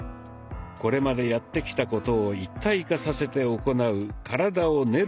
これまでやってきたことを一体化させて行う「体を練る」